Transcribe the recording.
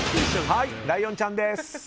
ライオンちゃんです。